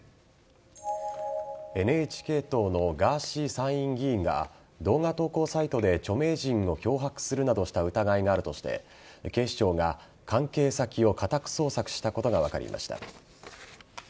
ＮＨＫ党のガーシー参議院議員が動画投稿サイトで著名人を脅迫するなどした疑いがあるとして警視庁が関係先を家宅捜索したことが分かりました。